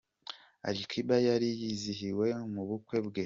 Ali Kiba yari yizihiwe mu bukwe bwe.